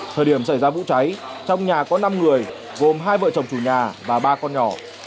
thời điểm xảy ra vụ cháy trong nhà có năm người gồm hai vợ chồng chủ nhà và ba con nhỏ